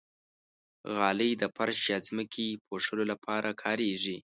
غالۍ د فرش یا ځمکې پوښلو لپاره کارېږي.